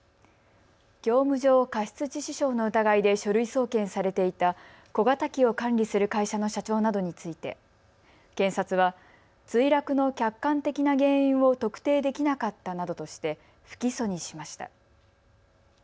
業務上過失致死傷の疑いで書類送検されていた小型機を管理する会社の社長などについて検察は墜落の客観的な原因を特定できなかったなどとして不起訴にしました。